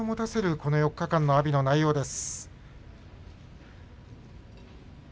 この４日間の阿炎の内容です。